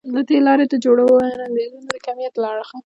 له دې لارې د جوړو وړاندیزونه د کمیت له اړخه